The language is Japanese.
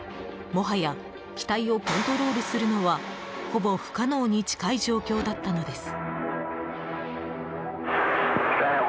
もはや機体をコントロールするのはほぼ不可能に近い状況だったのです。